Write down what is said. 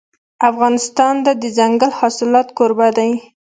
افغانستان د دځنګل حاصلات کوربه دی.